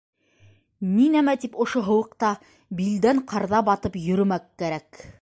— Ни нәмә тип ошо һыуыҡта билдән ҡарҙа батып йөрөмәк кәрәк.